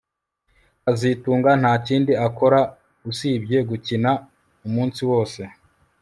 kazitunga ntakindi akora usibye gukina umunsi wose